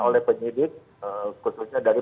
oleh penyidik khususnya dari